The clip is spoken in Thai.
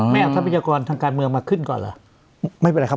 ไม่เอาทรัพยากรทางการเมืองมาขึ้นก่อนเหรอไม่เป็นไรครับ